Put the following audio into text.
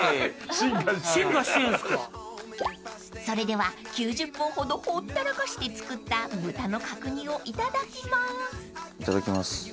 ［それでは９０分ほどほったらかして作った豚の角煮をいただきます］